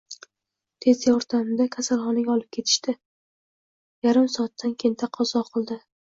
Tez yordamda kasalxonaga olib kelishdi, yarim soatdan keyin qazo kildi